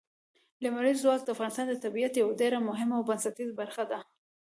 لمریز ځواک د افغانستان د طبیعت یوه ډېره مهمه او بنسټیزه برخه ده.